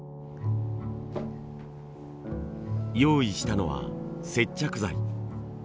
用意したのは接着剤。